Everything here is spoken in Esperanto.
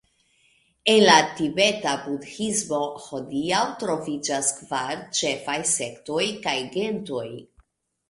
En la tibeta budhismo hodiaŭ troviĝas kvar ĉefaj sektoj kaj gentoj.